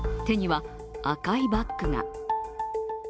手には赤いバッグが。